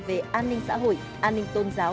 về an ninh xã hội an ninh tôn giáo